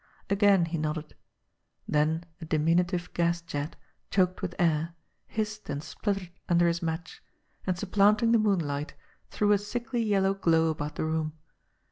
Again he nodded. Then a diminutive gas jet, choked with air, hissed and spluttered under his match, and supplanting the moonlight, threw a sickly yellow glow about the room.